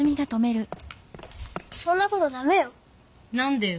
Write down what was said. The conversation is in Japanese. そんなことだめよ。